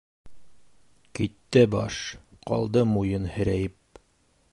Китте баш, ҡалды муйын һерәйеп.